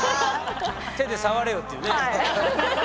「手で触れよ」っていうね。